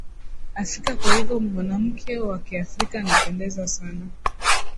afrika kwa hivyo mwanamke wa kiafrika anapendeza sana